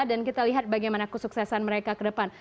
dan kita lihat bagaimana kesuksesan mereka ke depan